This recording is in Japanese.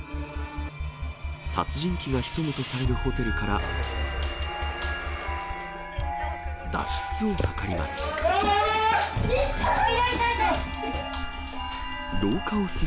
殺人鬼が潜むとされるホテルから脱出を図ります。